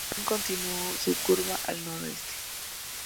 El huracán continuó su curva al noreste.